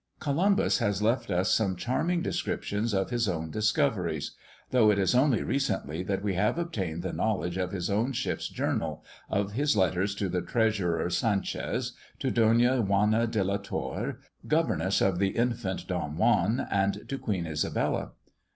Columbus has left us some charming descriptions of his own discoveries; though it is only recently that we have obtained the knowledge of his own ship's journal, of his letters to the treasurer Sanchez, to Donna Juana de la Torre, governess of the infant Don Juan, and to Queen Isabella.